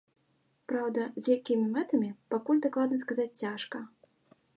Праўда, з якімі мэтамі, пакуль дакладна сказаць цяжка.